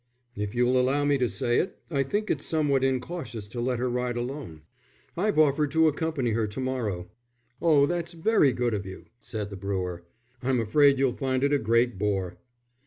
"If you'll allow me to say it, I think it's somewhat incautious to let her ride alone. I've offered to accompany her to morrow." "Oh, that's very good of you," said the brewer. "I'm afraid you'll find it a great bore."